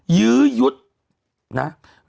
ยื้อยุทธ์นะ